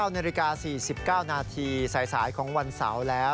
๙นาฬิกา๔๙นาทีสายของวันเสาร์แล้ว